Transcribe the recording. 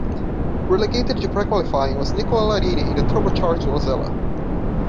Relegated to pre-qualifying was Nicola Larini in the turbocharged Osella.